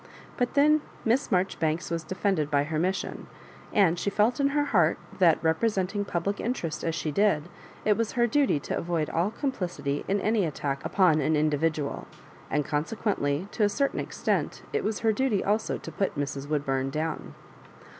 But then Misa Marjoribanks was defended by her mission, and she felt in her heart that, representing public in terest as she did, it was her duty to avoid all complicity in any attack upon an individual ; and consequently, to a certain extent, it was her duty also to put Mrs. Woodbum down.